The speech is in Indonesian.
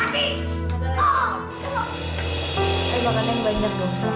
besok tapi saya lo makanyaient banyak tuh